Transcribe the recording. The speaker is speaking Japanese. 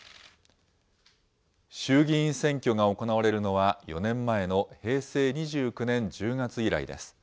衆議院選挙が行われるのは４年前の平成２９年１０月以来です。